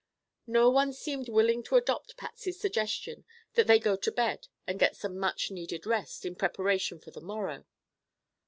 No one seemed willing to adopt Patsy's suggestion that they go to bed and get some much needed rest, in preparation for the morrow.